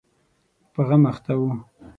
په غم اخته و.